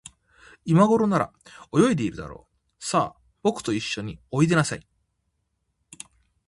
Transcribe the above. いまごろなら、泳いでいるだろう。さあ、ぼくといっしょにおいでなさい。